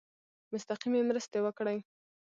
مستقیمي مرستي وکړي.